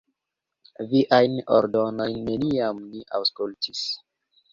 Viajn ordonojn neniam ni aŭskultis.